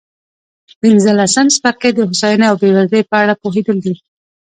پنځلسم څپرکی د هوساینې او بېوزلۍ په اړه پوهېدل دي.